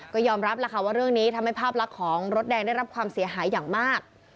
ก็ยอมรับแล้วค่ะว่าเรื่องนี้ทำให้ภาพลักษณ์ของรถแดงได้รับความเสียหายอย่างมาก